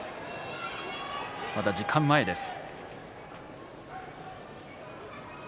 まだ時間前です。